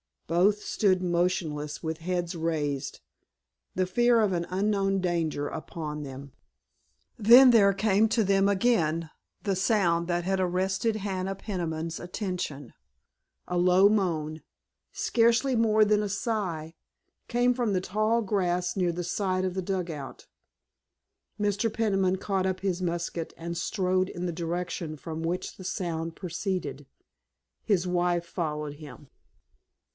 Both stood motionless with heads raised, the fear of an unknown danger upon them. Then there came to them again the sound that had arrested Hannah Peniman's attention. A low moan, scarcely more than a sigh, came from the tall grass near the side of the dugout. Mr. Peniman caught up his musket and strode in the direction from which the sound preceded. His wife followed him.